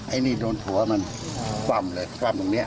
ไอ้นี่โดนหัวมันคว่ำเลยคว่ำตรงนี้